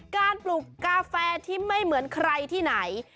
ปลูกกาแฟที่ไม่เหมือนใครที่ไหน